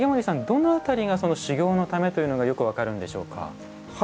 どの辺りが修行のためというのがよく分かるんでしょうか？